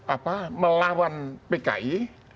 apa melawan pki